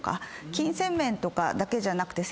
金銭面とかだけじゃなくて精神面も。